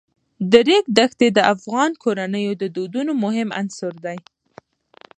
د ریګ دښتې د افغان کورنیو د دودونو مهم عنصر دی.